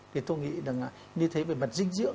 thì tôi nghĩ như thế về mặt dinh dưỡng